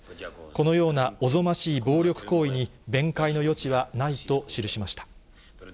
このようなおぞましい暴力行為に弁解の余地はないと記しました。